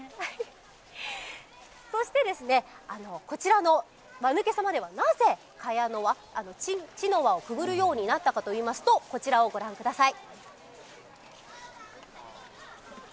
そしてですね、こちらの輪抜け様ではなぜ、茅の輪をくぐるようになったかといいますと、こちらをご覧ください。